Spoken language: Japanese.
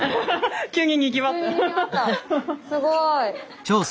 すごい。